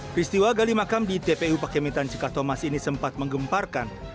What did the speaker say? peristiwa gali makam di tpu pakemitan cikatomas ini sempat menggemparkan